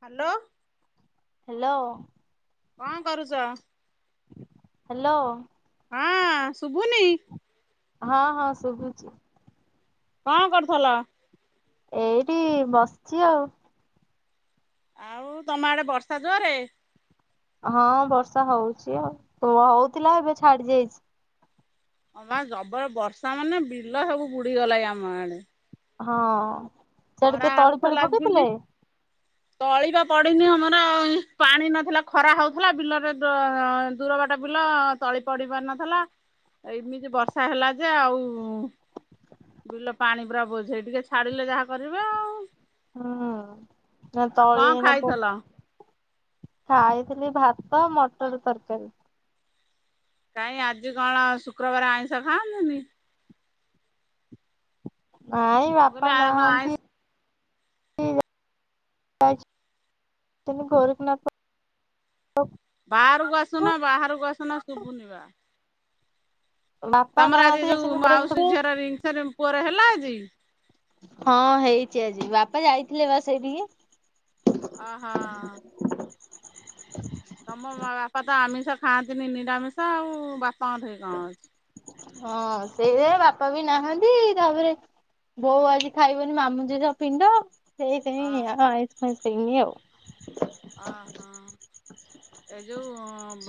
Hello. Hello. କଣ କରୁଚ? Hello. ହଁ ଶୁଭୁନି? ହଁ ହଁ ଶୁଭୁଛି। କଣ କରୁଥଲ? ଏଇଠି ବସିଛି ଆଉ। ଆଉ ତମ ଆଡେ ବର୍ଷା ଜୋରେ? ହଁ ବର୍ଷା ହଉଛି ଆଉ। ପ୍ରବଳ ହଉଥିଲା ଏବେ ଛାଡି ଯାଇଛି। ହଁ ବା ଜବର ବର୍ଷା ମାନେ, ବିଲ ସବୁ ବୁଡି ଗଲାଇ ଆମ ଆଡେ। ହଁ। ସିଆଡ଼େ ଖରା କିଏ ତଳି ଫଳି ହଉଥିଲା ପକେଇ ଥିଲେ? ଝିଲି ତଳି ବା ପଡିନି ଆମର ପାଣି ନଥିଲା ଖରା ହଉଥିଲା, ବିଲରେ ଦୋ-ଦୂର ଦୂର ବାଟ ବିଲ ତଳି ପଡି ପାରୁନଥିଲା ଏଇମିତି ବର୍ଷା ହେଲା ଯେ ଆଉ ବିଲ ପାଣି ପୁରା ବୋଝେଇ, ଟିକେ ଛାଡିଲେ ଯାହା କରିବେ ଆଉ। ହୁଁ ନା ଆଉ ତଳି କଣ ଏଇନା ଖାଇଥିଲ? ପକ ଖାଇ ଥିଲି ଭାତ, ମଟର ତରକାରୀ। କାଇଁ ଆଜି କଣ ଶୁକ୍ରବାର ଆଇଁଷ ଖାଆନ୍ତିନି? ନାଇଁ ମୁଁ ବାପା କହିଲି ଆଉ କଣ ଆଇଁଷ ନାହାଁନ୍ତି [unintelligible] ଗୋରଖନାଥ ବାହାରକୁ ଆସୁନା, ବାହାରକୁ ଆସୁନା ଶୁଭୁନି ବା। ବାପା ତମର ଆଜି ନାହାନ୍ତି ଯୋଉ ଯାଇଛନ୍ତି ମାଉସୀ ଗୋରଖନାଥ ଝିଅର ରିଙ୍ଗ ସେରି ପୁଅର ହେଲା ଆଜି? ହଁ ହେଇଛି ଆଜି, ବାପା ଯାଇଥିଲେ ବା ସେଇଠିକି। ଅହୋ। ତମ ମା ବାପା ତ ଆମିଷ ଖାଆନ୍ତିନି ନିରାମିଷ ଆଉ ବାପ୍ ତାଠି କଣ ଅଛି। ସେଇଥିପାଇଁ ବାପା ବି ନାହାନ୍ତି ତାପରେ ବୋଉ ଆଜି ଖାଇବନି ମାମୁଁ ଝିଅ ପିଣ୍ଡ ଅ ସେଇପାଇଁ ଆଉ ଆଇଁସ ଫାଇଁସ ହେଇନି ଆଉ। ଅ ହୋ। ଏଇ ଯୋଉ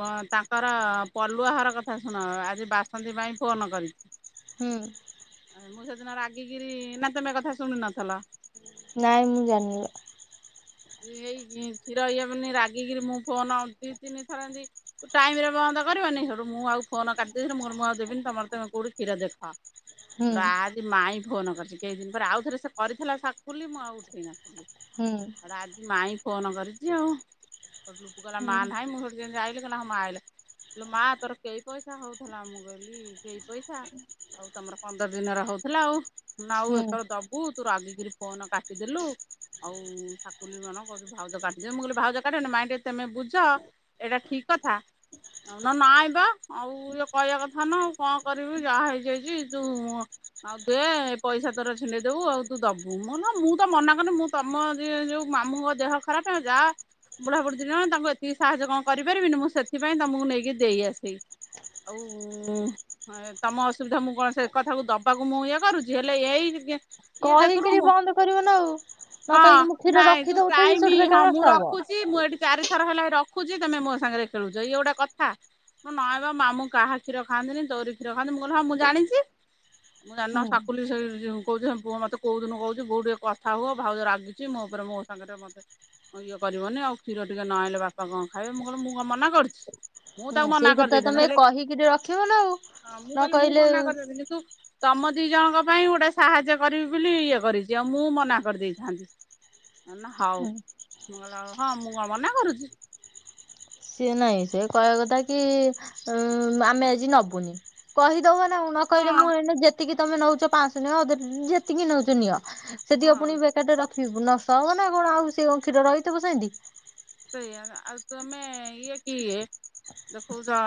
ବ ତାଙ୍କର ପଲୁଆ ଘର କଥା ଶୁଣ ଆଜି ବାସନ୍ତି ମାଇଁ ଫୋନ ନ କରିଛି। ହୁଁ। ମୁଁ ସେଦିନ ରାଗିକିରି ନା ତମେ ଏକଥା ଶୁଣି ନଥିଲ? ନାଇଁ ମୁଁ ଜାଣିବା। ଏଇ ଖି କ୍ଷୀର ଇ ରାଗିକିରି ମୁଁ ଫୋନ ଦିଇ ତିନି ଥର ଏନ୍ତି ଟାଇମରେ ବନ୍ଦ ନ୍ଦ କରିବନି ହେଠୁ ମୁଁ ଆଉ କାଟି ଦେଇଥିଲି ମୁଁ ଆଉ ଦେବିନି ତମର ତମେ କୋଉଠି କ୍ଷୀର ଦେଖ। ହୁଁ ହେଠୁ ଆଜି ମାଇଁ ଫୋନ କରିଚି କେଇ ଦିନି ପରେ ଆଉଥରେ ସେ କରିଥିଲା ସାକୁଲି ମୁଁ ଆଉ ଉଠେଇ ନଥିଲି। ହୁଁ। ହେଠୁ ଆଜି ମାଇଁ ଫୋନ କରିଚି ଆଉ। ହେଠୁ ଲୁପୁ କହିଲା ମା ନାହିଁ ମୁଁ ସେଠୁ ଯେମିତି ଆଇଲି କହିଲା ହଁ ମା ଆଇଲ। ଇଲୋ ମା ତୋର କେଇ ପଇସା ହୋଉଥିଲା ମୁଁ କହିଲି କେଇ ପଇସା ଆଉ ତମର ପନ୍ଦର ଦିନରେ ହୋଉଥିଲା ଆଉ। ଆଉ ହୁଁ ଏଥର ଦୋବୁ ତୁ ରାଗିକିରି ଫୋନ କାଟିଦେଲୁ ଆଉ କୁନି [unintelligible] କୋହୁଚି ଭାଉଜ କାଟିଦେବେ ମୁଁ କହିଲି ଭାଉଜ କାଟିବେନି ମାଇଁ ଟିକେ ତମେ ବୁଝ ଏଇଟା ଠିକ କଥା। ଆଉ ନା ନାଇଁ ପା ଆଉ ଇଏ କହିବା କଥା ନା କଣ କରିବୁ ଯାହା ହେଇଚି ହେଇଚି ତୁ ଆଉ ଦେ ପଇସା ତୋର ଛିଣ୍ଡେଇ ଦୋବୁ ଆଉ ତୁ ଦୋବୁ ମୁଁ କହିଲି ହଁ ମୁଁ ତ ମନା କରନି ମୁଁ ତମରି ଇଏ ଯୋଉ ମାମୁଁଙ୍କ ଦେହ ଖରାପେ ଯା ବୁଢାପୁଢୀ ଦିଇଜଣ ତାଙ୍କୁ ଏତିକି ସାହାଯ୍ୟ କଣ କରିପାରିବିନି ମୁଁ ସେଥିପାଇଁ ତମକୁ ନେଇକି ଦେଇ ଆସେଇ। ଆଉ ଏଁ ତମ ଅସୁବିଧା ମୁଁ କଣ ସେ କଥାକୁ ଦବାକୁ ମୁଁ ଇଏ କରୁଚି ହେଲେ ଏଇ ଗି ଗେ କହିକିରି ବନ୍ଦ କରିବ ନା ଆଉ। ନ ହଁ କହିକି ମୁଁ କ୍ଷୀର ନାଇଁ ରଖି ତୁ ଦଉଥିବି ସେଠୁ ଟାଇମିଁ ହଁ ବେକାର ମୁଁ ନଷ୍ଟ ହବ। ରଖୁଚି ମୁଁ ଏଠି ଚାରି ଦିଇଥର ହେଲା ରଖୁଚି ତମେ ମୋ ସାଙ୍ଗରେ ଖେଳୁଚ ଇଏ ଗୋଟେ କଥା। ତୁ ନଆଗ ମାମୁଁ କାହା କ୍ଷୀର ଖାନ୍ତିନି ତୋରି କ୍ଷୀର ଖାନ୍ତି ମୁଁ କିହିଲି ହଁ ମୁଁ ଜାଣିଚି। ମୁଁ ଜାଣିନ ହୁଁ ସାକୁଲି ସେଇ ଯୋଉ କୋହୁଚନ୍ତି ପୁଅ ମତେ କୋଉ ଦିନୁ କହୁଚି ବୋଉ ଟିକେ କଥା ହୁଅ। ଭାଉଜ ରାଗି ଚି ମୋ ଉପରେ ମୋ ସାଙ୍ଗରେ ମୋତେ ଇଏ କରିବନି ଆଉ କ୍ଷୀର ଟିକେ ନଆଇଲେ ବାପା କଣ ଖାଇବେ ମୁଁ କିହିଲି ମୁଁ କଣ ମନା କର ଢିଚି। ମୁଁ ତାକୁ ମନା ସେଇ କଥା କରିଦେଇଥାନ୍ତି ତମେ ହେଲେ କହିକିରି ରଖିବ ନା ଆଉ ହଁ ମୁଁ ନ କହିଲି ମୁଁ କହିଲେ ମନା କରିଦେଇଥିଲି ତୁ ତମ ଦିଇ ଜଣଙ୍କ ପାଇଁ ଗୋଟେ ସାହାଯ୍ୟ କରିବି ବୋଲି ଇଏ କରିଚି ଆଉ ମୁଁ ମନା କରିଦେଇଥାନ୍ତି। ଏ ନା ହୋଉ ହୁଁ ମୁଁ କହିଲି ଆଉ ହଁ ମୁଁ କଣ ମନା କରୁଚି। ସିଏ ନାଇଁ ସେ କହିବା କଥା କି ଆମେ ଆଜି ନବୁନି କହିଦବ ନା ଆଉ। କହିଲେ ହଁ ମୁଁ ଏଇନା ଯେତିକି ତମେ ନୋଉଚ ପାଂଶ ନିଅ ଅଧ ଟେ ଯେତିକି ନୋଉଚ ନିଅ। ସେଠି ହଁ ପୁଣି ବେକାରଟାରେ ରଖିବି ଫୁଣି ନଷ୍ଟ ହବ ନା କଣ ଆଉ ସିଏ କ୍ଷୀର ରହିଥିବ ସେମିତି। ସେଇଆ ପା ଆଉ ତମେ ଇଏ କିଏ? ଦେଖୋଉଚ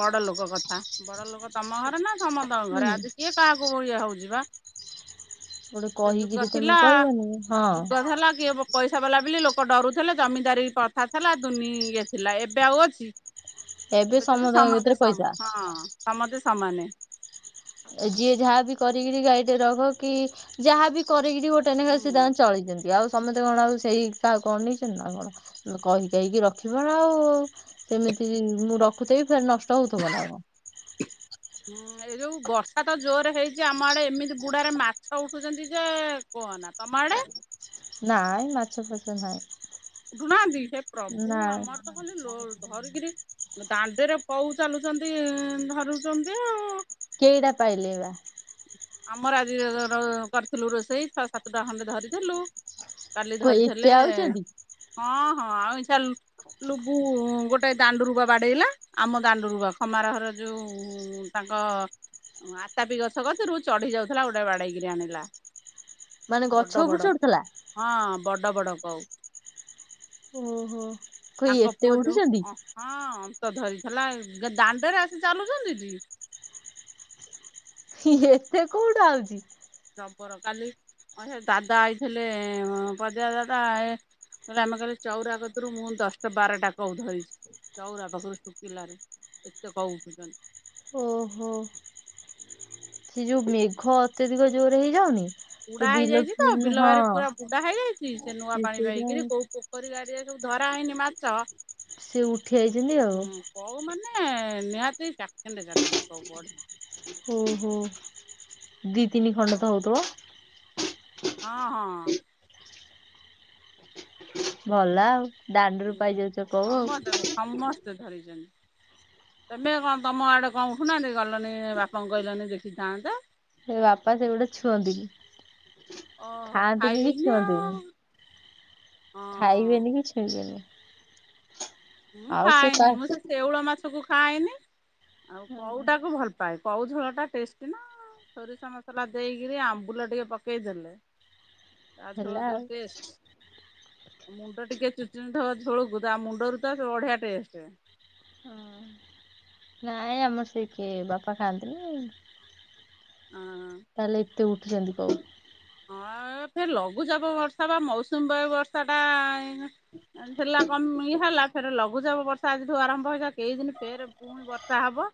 ବଡ ଲୋକ କଥା ବଡ ଲୋକ ତମ ଘରେ ନା ସମସ୍ତଙ୍କ ଘରେ ହୁଁ ଆଜି କିଏ କାହାକୁ ବ ଇଏ ହୋଉଚି ବା। ଗୋଟେ ସେ କହିକିରି ଯୁଗ ତମେ ଥିଲା କହିବନି ହଁ ଯୁଗ ହେଲା କିଏ ବୋ ପଇସା ବାଲା ବୋଲି ଲୋକ ଡରୁଥିଲେ ଜମିଦାରି ପ୍ରଥା ଥିଲା ଦୁନି ଇଏ ଥିଲା ଏବେ ଆଉ ଅଛି। ଏବେ ତ ସେ ସମଦାୟ ସମତେ କତିରେ ସମ୍ ପଇସା। ହଁ ସମତେ ସମାନେ। ଯିଏ ଯାହାବି କରିକିରି ଗାଈଟେ ରଖ କି ଯାହାବି କ କିରି ଗୋଟେ ଏଇନା ସିଏ ହୁଁ ତାଙ୍କର ଚଳିଚନ୍ତି ଆଉ ସମତେ କଣ ଆଉ ସେଇ କାହାକୁ ଅନେଇଚନ୍ତି ନା କଣ କହି କାହିକି ରଖିବ ନା ଆଉ ସେମି ତି ମୁଁ ରଖୁଥେବି ଫେରେ ନଷ୍ଟ ହୋଉଥିବ ନା କଣ। ହୁଁ ଏଇ ଯୋଉ ବର୍ଷା ତ ଜୋରେ ହେଇଛି, ଆମ ଆଡେ ଏମିତି ବୁଡାରେ ମାଛ ଉଠୁଛନ୍ତି ଯେ କୁହନା। ତମ ଆଡ଼େ? ନାଇଁ ମାଛ ଫାଛ ନାଇଁ। ଉଠୁ ନାହାନ୍ତି, ହେ ପ୍ରଭୁ ଆମର ତ ଖାଲି ଲୋ ଧରିକିରି ଦାଣ୍ଡେରେ କଉ ଚାଲୁଛନ୍ତି ଧରୁଛନ୍ତି ଆଉ। କେଇଟା ପାଇଲେଇ ବା? ଆମର ଆଜି କରିଥିଲୁ ରୋଷେଇ ଛଅ ସାତଟା ଖଣ୍ଡେ ଧରିଥିଲୁ। କାଲି କ ଏତେ ଧରିଥିଲେ, ଆଉଛନ୍ତି ହଁ -ହଁ ଅଇଁଛା ଲୁ ଲୁବୁ ଗୋଟେ ଦାଣ୍ଡୁରୁ ବା ବାଡେଇଲା, ଆମ ଦାଣ୍ଡୁରୁୁ ବା ଖମାର ଘର ଯୋଉ ତା ଙ୍କ ଆତାପି ଗଛ କତିରୁୁ, ଚଢି ଯାଉଥିଲା ଗୋଟାଇ ବାଡ଼େଇକିରି ଆଣିଲା। ମାନେ ଗଛ ବଡ଼ ଉପରୁ ବଡ଼ ଚଢୁଥିଲା। ହଁ ବଡ଼ ବଡ଼ କଉ। ଓହୋ। କଇ ତାଙ୍କ ଏତେ ପୁଅ ଯୋଉ ଉଠୁଛନ୍ତି ଆ ହଁ। ମାଛ ଧରିଥିଲା, ଦାଣ୍ଡରେ ଆସି ଚାଲୁଛନ୍ତି ଟି। ହିଁ ଏତେ କୋଉଟୁ ଆଉଚୀ? ଜବର କାଲି ଅଇଁଛା ଦାଦା ଆଇଥିଲେ, ପଦିଆ ଦାଦା ଏ କହିଲେ, ଆମେ କାଲି ଚଉରା କତୁରୁ ମୁଁ ଦଶଟା ବାରଟା କଉ ଧରିଚି। ଚଉରା ପାଖରୁ ଶୁଖିଲାରେ, ଏତେ କଉ ଉଠୁଛନ୍ତି। ଓ ହୋ। ସେ ଯୋଉ ମେଘ ଅତ୍ୟଧିକ ଜୋରେ ହେଇଯାଉନି? ତ ବୁଡା ବିଲ ହେଇଯାଇଛି ତ ଫିଲ ବିଲବାରି ପୁରା ହଁ ବୁଡା ହେଇଯାଇଛି, ସେ ନୂଆ ପାଣି ପାଇକିରି କୋଉ ପୋଖରୀ ଗାଡିଆ ଯୋଉ ଧରା ହେଇନି ମାଛ ସେ ଉଠି ଆଇଛନ୍ତି ଆଉ। ଏ ନିହାତି ଚାଖେଣ୍ଡେ ଚାଖେଣ୍ଡେ କଉ ବଢି ହୁଁ - ହୁଁ ଦି ତିନି ଖଣ୍ଡ କଉ। ତ ହଉଥିବ? ହଁ- ହଁ। ଭଲ ଆଉ, ଦାଣ୍ଡରୁ ପାଇଯାଉଛ କଉ ଆଉ। ଏତେ ଧରିଚନ୍ତି। ତେମେ କଣ, ତମ ଆଡେ କଣ ଉଠୁନାହାନ୍ତି? ଗଲନି ବାପାଙ୍କୁ କହିଲନି ଦେଖିଥାନ୍ତେ। ମୋ ବାପା ସେଗୁଡା ଛୁଅନ୍ତିନି, ଓହୋ ଖାଆନ୍ତିନି କି ଖାଇବିନି ଛୁଅନ୍ତିନି। ଆଉ ହଁ। ଖାଇବେନି କି ଛୁଇଁବେନି। ମୁଁ ଆଉ କା ଖାଆଇନି ମୁଁ ସେ ଶେଉଳ ମାଛକୁ ଖାଆଇନି, ଆଉ କଉଟାକୁ ଭଲ ପାଏ। କଉ ଝୋଳଟା ଟେଷ୍ଟି ନା। ସୋରିଷ ମସଲା ଦେଇକିରି, ଆମ୍ବୁଲ ଟିକେ ପକେଇଦେଲେ। ତା ଝୋଳ ହେଲା ଯୋଉ ଆଉ। ଟେଷ୍ଟ, ମୁଣ୍ଡ ଟିକେ ଚୁଚୁମୁଥିବ ଝୋଳକୁ ତା ମୁଣ୍ଡରୁ ତାର ବଢିଆ ଟେଷ୍ଟ। ହଁ ନାଇଁ, ଆମର ସେ କିଏ ବାପା ଖାଆନ୍ତିନି। ହଁ। ତାହେଲେ ଏତେ ଉଠୁଚନ୍ତି କଉ। ହଁ ଏ ଫେରେ ଲଘୁଚାପ ବର୍ଷା ବା, ମୌସୁମୀ ବାୟୁ ବର୍ଷାଟା ଥିଲା କମ ହେଲା ଫେର ଲଘୁ ଚାପ ବର୍ଷା ଆଜିଠୁ ଆରମ୍ଭ ହେଇ, କେଇ ଦିନ ଫେରେ ପୁଣି ବର୍ଷା ହବ।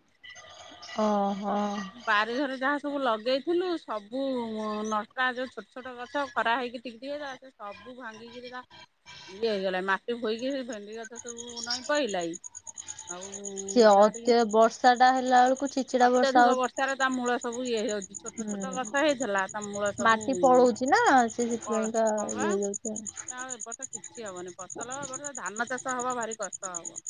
ହଁ। ବାରି ଘରେ ଯାହା ସବୁ ଲଗେଇଥିଲୁ ସବୁ ନଷ୍ଟ ଆ ଯୋଉ ଛୋଟ ଛୋଟ ଗଛ ଖରା ହେଇକି ଟିକ ଟିକି ଗଜା ସେ ସବୁ ବୁ ଭାଙ୍ଗି କିିରି ତା ଇଏ ହେଇଗଲାଇ ମାଟି ଭୋଇକି, ସେ ଭେଣ୍ଡି କଛ ସବୁ ନଇଁ ପଇଲାଇ। ଆଉ ସେ ଯାହା ଟିକେ ଅତ୍ୟ ବର୍ଷାଟା ହେଲା ବେଳକୁ ଛିଚିଡା ଅତ୍ୟଧିକ ବର୍ଷାରେ ତା ମୂଳ ସବୁ ଇଏ ହେ ଛୋଟ ହୁଁ ଛୋଟ ଗଛ ହେଇଥିଲା, ତା ମୂଳ ସବୁ ମାଟି ପଳଉଛି ନା ସେ କ ସେଥିପାଇଁକା ହଁ ବା। ଇଏ ହେଇଯାଉଛି ଆଉ। ଆଉ ଏ ବର୍ଷ କିଛି ହବନି, ଫସଲ ହବ ଏବର୍ଷ ଧାନ ଚାଷ ହବା ଭାରି କଷ୍ଟ ହବ।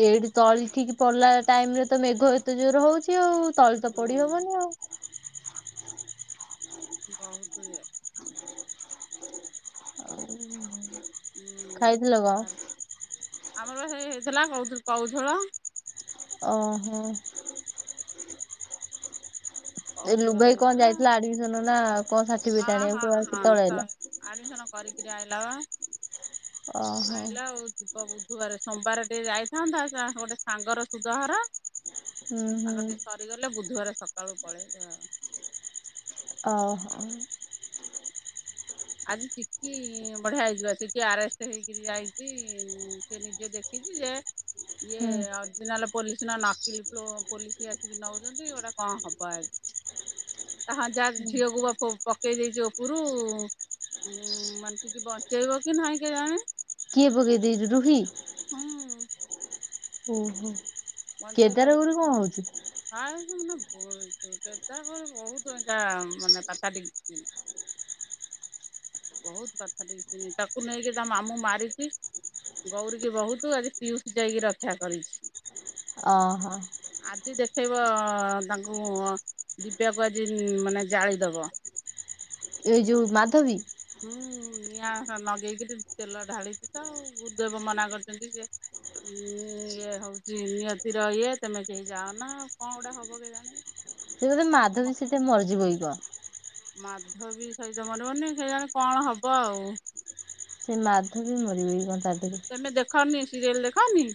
ଏଇଠି ତଳି ଠିକ ପଡିଲା ଟାଇମରେ, ତ ମେଘ ଏତେ ଜୋର ହଉଛି ଆଉ। ତଳି ତ ପଡି ହୁଁ ହବନି ଆଉ। ବନୁ କୁ ଯାଏ। ଖାଇଥିଲ କ? ହୁଁ। ଆମର ପା ହେଇ ହେଇଥିଲା କତ କଉ ଝୋଳ। ଅ ହ। ଏ ଲୁଲ୍ କଉଝୋଳ ଭାଇ କଣ ହେଇଥିଲା ଯାଇଥିଲା ଆଡମିସନ୍ ନା ଆଉ କଣ? ସାର୍ଟିଫିକେଟ ହଁ ଆଣିବାକୁ ହଁ କୁଆ ହଁ କେତେବେଳେ କହ ଆଇଲା? ଆଡମିସନ୍ କରି କିରି ଆଇଲା ପା। ଓହୋ ଆଇଲା ଆଉ ଯିବ ବୁଧୁ ବୁଧୁବାରେ ସୋମବାରେ ଟିକେ ଯାଇଥାନ୍ତା ତାର ଗୋଟେ ସାଙ୍ଗର ସୁଧଘର। ହୁଁ ତାଙ୍କର ହୁଁ ଟିକେ ସରିଗଲେ ବୁଧୁବାରେ ସକାଳୁ ପଳେଇବେ ଆଉ। ଅ ହଉ। ଆଜି ଚିକି ବଢ଼ିଆ ହେଇଯିବ ଚିକି ଆରେଷ୍ଟେ ହେଇକି ଯାଇଚି ଉଁ ସେ ନିଜେ ଦେଖିଚି। ଯେ ଇଏ ହୁଁ ଅରଜିନାଲ୍ ପୋଲିସ୍ ନା ନାକିଲ୍ ପ୍ଲୋ ପୋଲିସ୍ କିଏ ଆସିକି ନଉଚନ୍ତି ଏ ଗୁଡ଼ା କଣ ହବ ଆଗକୁ? ହଁ ଯା ହୁଁ। ଝିଅକୁ ବା ଫୁକ୍ ପକେଇ ଦେଇଚି ଓପୁରୁ। ହୁଁ ମାନେ ଚିକି ବଞ୍ଚେଇବ କି ନାଇଁ କେଜାଣି? କିଏ ପକେଇ ଦେଇଚି ରୁହି? ହୁଁ। ଓଃ ହୋ। ବଞ୍ଚେଇ ପାରିବୁନି ହାଏ। [inaudible] ବହୁତ ଏଇଟା ମାନେ ପତାଟିକ୍ ସିନ୍। ବୋହୁତ୍ ପାଥାଟିକ୍ ସିନ୍ ତାକୁ ନେଇକି ତା ମାମୁଁ ମାରିକି ଗୌରୀ କି ବହୁତ୍ ଆଜି ପିୟୁଷ ଯାଇକି ରକ୍ଷା କରିଛି। ଅ ହ। ଆଜି ଦେଖେଇବ ତାଙ୍କୁ ଦିବ୍ୟାକୁ ଆଜି ମାନେ ଜାଳିଦବ। ଏଇ ଯୋଉ ମାଧବୀ? ହୁଁ ନିଆଁ ହଁ ଲଗେଇକିରି ତେଲ ଢାଳିଚି ତ ଆଉ ଗୁରୁଦେବ ମନା କରିଚନ୍ତି କିଏ ଉଁ ଇଏ ହଉଚି ନିଅତିର ଇଏ ତମେ କେହି ଯାଅ ନା କଣ ଗୋଟେ ହବ କେଜାଣି? ସେ ବୋଧେ ମାଧବୀ ସେଠି ମରି ଯିବ କି କଣ? ମାଧବୀ ସେଇ ତ ମରିବନି କେଇଜାଣି କଣ ହବ ଆଉ। ସେ ମାଧବୀ ମରିବ କି କଣ ତା ଦେହରୁ? ତମେ ଦେଖନି ସିରିଏଲ୍ ଦେଖନି?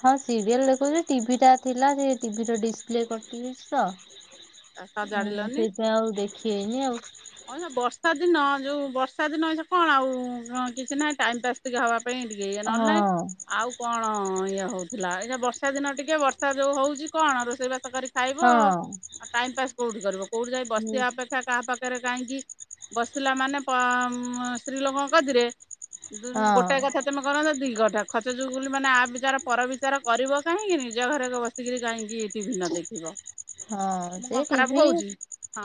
ହଁ ସିରିଏଲ୍ ଦେଖୁଚୁ ଟିଭି ଟା ଥିଲା ଯେ ଟିଭିର ଡିସପ୍ଲେ କଟି ଯାଇଛି ତ। ଅଁ ହଁ ସଜାଡିଲନି ସେଇଥି ପାଇଁ ଆଉ ଦେଖି ହେଇନି ଆଉ। ହଁ ବର୍ଷା ଦିନ ଯୋଉ ବର୍ଷା ଦିନ ଏ ଯୋଉ କଣ ଆଉ ଅ କିଛି ନାହିଁ ଟାଇମ୍ ପାସ୍ ଟିକେ ହବା ପେଇଁ ଇଏ ନହେଲେ ନାହିଁ ହଁ। ଆଉ କ କଣ ଇଏ ହଉଥିଲା ଏ ଯୋଉ ବର୍ଷା ଦିନ ଟିକେ ବର୍ଷା ଯୋଉ ହଉଚି କଣ ରୋଷେଇ ବାସ କରି ଖାଇବ ହଁ। ଆଉ ଟାଇମ୍ ପାସ୍ କୋଉଠି କରିବ କୋଉଠି ଯାଇ ହୁଁ। ବସିବା ଅପେକ୍ଷା କାହା ପାଖ ଭିତରେ ଯାଇକି ବସିଲା ମାନେ ପ ମ ସ୍ତ୍ରୀ ଲୋକଙ୍କ ଗତିରେ ଦୁଁନି ହଁ ଗୋଟାଏ କଥା ତମେ କର ନ ଯଦି [unintelligible] ଖଚ ଚୁଗୁଲି ମାନେ ଆ ବିଚାର ପର ବିଚାର କରିବ କାହିଁକି ନିଜ ଘରେ ଯୋଉ ବସିକିରି କାହିଁକି ଟିଭି ନ ଦେଖି ଦେଖିବ। ହଁ ମୁଁ କଣ ସେ ଖରାପ ଟିଭି କହୁଛି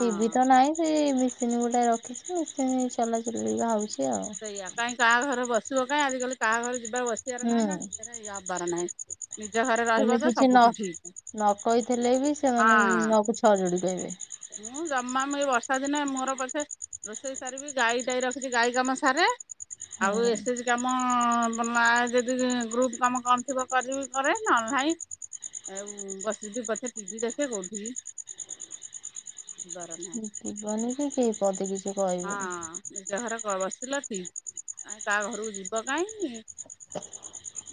ଟିଭି ତ ନାହିଁ ସେଇ ମେସିନ୍ ଗୋଟେ ରଖିଚି ମେସିନ୍ ଚଲେଇବି ବୋଲି ଭାବୁଛି। ସେଇଆ କାଇଁ କାହା ଘରେ ବସିବ କାଇଁ ଆଜିକାଲି କାହା ଘରେ ଯିବା ବସିବାର ନାହିଁ ହୁଁ ନା ସେଥିରେ ଇଏ ହବାର ନାହିଁ। ନିଜ ଘରେ ରହିବ ତମେ ତ କିଛି ନ ସବୁଠୁ ଠିକ୍ ନ କହିଥିଲେ ବି ସେମାନେ ହଁ ନ କୁ ଛ ଯୋଡ଼ି କହିବେ। ମୁଁ ଜମା ମୁଁ ଏଇ ବର୍ଷା ଦିନେ ମୋର ପଛେ ରୋଷେଇ ସାରିବି ଗାଈ ତାଇ ରଖିଛି ଗାଈ କାମ ସାରେ ଆଉ ଏସେ ଏସେ ହୁଁ ଜି କାମ ଆମ ନାଁରେ ଯଦି ଗ୍ରୁପ୍ କାମ କଣ ଥିବ କରିବି କରେ ନହେଲେ ନାହିଁ ଏ ବସିକି ପଛେ ଟିଭି ଦେଖେ କୋଉଠିିକି ଯିବାର ନାହିଁ। ଯିବନି କି, କେହି ପଦେ କିଛି ହଁ କହିବେନି। ନିଜ ଘର ରେ ବସିଲ ଠିକ୍। କାଇଁ କାହା ଘରକୁ ଯିବ କାହିଁ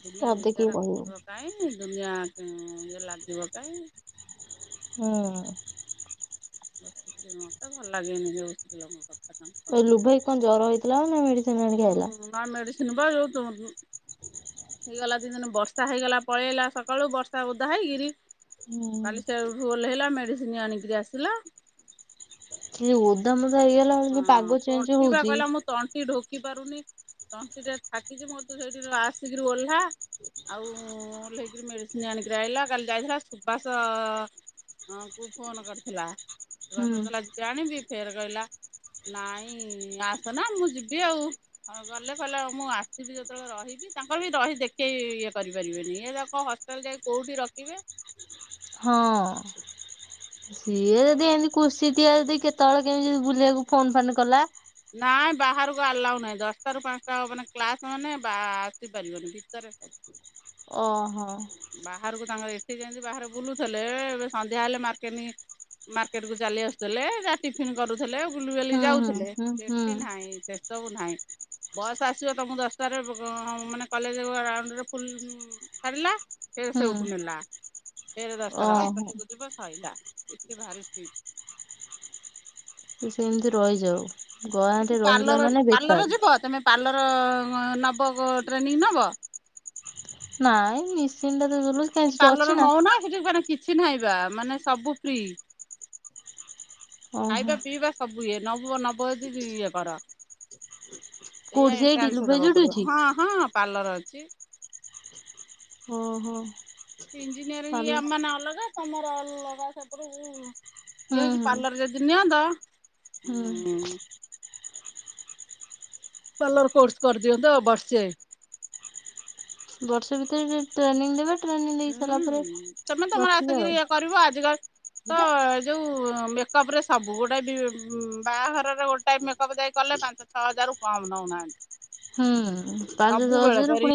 ଦୁନିଆ ପଦେ କିଏ ବିଚାର କହିବେନି। ହବ କାଇଁ ଦୁନିଆ ହୁଁ ଇଏ ଲାଗିବ କାଇଁ ହୁଁ। ମତେ ଭଲ ଲାଗେନି ଯୋଉ ସ୍ତ୍ରୀ ଲୋକ ଏଇ ଲୁବ ଭାଇକି କଣ ଜର ହେଇଥିଲା ବା ନା ମେଡ଼ିସିନ୍ ହୁଁ ବା ମେଡ଼ିସିନ ବା ଯୋଉ ଦୋ ହେଇଗଲା ଦି ଦିନି ବର୍ଷା ହେଇଗଲା ପଳେଇ ଆଇଲା ସକାଳୁ ବର୍ଷା ଓଦା ହେଇକିରି ହୁଁ। କାଲି ସେଉଠୁ ଓହ୍ଲେଇଲା, ମେଡିସିନ ଆଣିକିରି ଆସିଲା। ସେ ଯୋଉ ଓଦାମୋଦା ହେଇଗଲା [unintelligible] ପାଗ ଚେଞ୍ଜ ହଉଛି ଢ଼ୋକି ପାରୁନି ତଣ୍ଟିରେ ଥାକିଚି ମୁଁ କହି ତୁ ସେଇଠି ଆସିକିରି ଓହ୍ଲା ଆଉ ଓହ୍ଲେଇକିରି ମେଡିସିନ ଆଣିକିରି ଆଇଲା, କାଲି ଯାଇଥିଲା ସୁବାସ ହଁ ପୁଅ ଫୋନ କରିଥିଲା ସୁବାଷ ହୁଁ କହୁଥିଲା ଯିବି ଆଣିବି ଫେରେ କହିଲା ନାଇଁ ଆସେନା ମୁଁ ଯିବି ଆଉ, ହଉ ଗଲେ କହିଲେ ମୁଁ ଆସିବି ଯେତେବେଳେ ରହିବି ତାଙ୍କର ବି ରହି ଦେଖେଇ ଇଏ କରିପାରିବେନି। ଇଏ ତାଙ୍କ ହଷ୍ଟେଲ ଯାଇ କୋଉଠି ରଖିବେ ହଁ। ସିଏ ମୁଁ ଯଦି କହିଲି ଏମିତି କୁଶ୍ଚିତିଆ ଯଦି କେତେବେଳେ କେମିତି ବୁଲିବାକୁ ଫୋନ ଫାନ୍ କଲା ନାଇଁ ବାହାରକୁ ଆଲାଉ ନାହିଁ, ଦଶଟାରୁ ପାଞ୍ଚଟା ହବ ମାନେ କ୍ଲାସ ମାନେ ବା ଆସିପାରିବନି। ଭିତରେ [unintelligible] ଓହୋ। ବାହାରକୁ ତାଙ୍କର ଏଠି ଯେମତି ବାହାରେ ବୁଲୁଥେଲେ, ଏ ଏବେ ସନ୍ଧ୍ୟା ହେଲେ ମାର୍କେନିଙ୍ଗ ମାର୍କେଟକୁ ଚାଲି ଆସୁଥିଲେ, ଯାହା ଟିଫିନ କରୁ ଥିଲେ, ହୁଁ ବୁଲିବାଲିକି ହୁଁ ଯାଉଥିଲେ, ହୁଁ ହୁଁ ସେଠି ନାହିଁ ସେସବୁ ନାହିଁ। ବସ୍ ଆସିବ ତମକୁ ଦଶଟାରେ ମାନେ କଲେଜ ରାଉଣ୍ଡରେ ଫୁଲ ଛାଡ଼ିଲା ଫେରେ ହୁଁ ସେଉଠୁ ନେଲା, ଫେରେ ଦଶଟାରେ ଓହୋ ହଷ୍ଟେଲକୁ ଯିବ ସଇଲା। ଏଠି ଭାରି ଷ୍ଟ୍ରିଟ୍। ସିଏ ସେମତି ରହିଯାଉ। ଗାଁରେ ସିଟି ରହିଲା ପାର୍ଲର ମାନେ ପାର୍ଲର ବେକାର ଯିବ? ତମେ ପାର୍ଲର ଲର ନବ ଟ୍ରେନିଂ ନବ? ନାଇଁ ମିସିନ୍ ଟା ତ ଚଲଉଚି କାଇଁ ଏ ସେଠି ପାର୍ଲର ଅଛି ନା। ନଉନା ସିଟି ଫେରେ କିଛି ନାହିଁ ବା, ମାନେ ସବୁ ଫ୍ରି। ଓହୋ ଖାଇବା ପିଇବା ସବୁ କୁ ଇଏ ନବ ନବ ଯଦି ଇଏ କର। ଏୟା କୋଉଠି ସେଇଠି ଏଣ୍ଟ୍ରାନ୍ସ ଲୁଗାଇ ଦବାକୁ ଯୋଉଠି ପଡିବ। ଅଛି ହଁ ହଁ ପାର୍ଲର ଅଛି। ହଁ ହୋ। ଇଞ୍ଜିନିୟରିଂ ଏମାନେ ଅଲଗା, ତମର ଅଲଗା ସେପଟକୁ ହୁଁ ଇଏ ହେଇଛି ହୁଁ ପାର୍ଲର ଯଦି ନିଅନ୍ତ ହୁଁ। ଉଁ ପାର୍ଲର କୋର୍ସ କରିଦିଅନ୍ତ ବର୍ଷେ। ବର୍ଷେ ଭିତରେ ସିଏ ଟ୍ରେନିଂ ଦେବେ ଟ୍ରେନିଂ ଦେଇ ହୁଁ ସାରିଲା ହୁଁ। ପରେ ତମେ ତମର ରଖିବେ ଆସିକିରି ଆଉ। ଇଏ କରିବ, ଆଜିକାଲି ତ ଯୋଉ ମେକଅପ୍ ରେ ସବୁ। ଗୋଟେ ବି ବାହାଘରରେ ଗୋଟାଇ ମେକଅପ୍ ଯାଇ କଲେ ପାଞ୍ଚ ଛଅ ହଜାରରୁ କମ୍ ନଉନା ହଁ। ହୁଁ। ପାଞ୍ଚ ଛଅ ହଜାରରୁ ପୁଣି